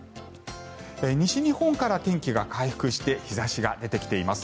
西日本から天気が回復して日差しが出てきています。